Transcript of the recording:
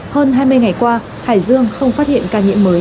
hơn hai mươi ngày qua hải dương không phát hiện ca nhiễm mới